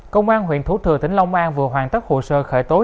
công an huyện thủ thừa tỉnh long an vừa hoàn tất hồ sơ khởi tối